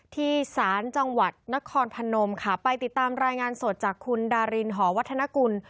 ที่ศาลจังหวัดนครพนมค่ะไปติดตามรายงานสดจากคุณดารินหอวัฒนกุล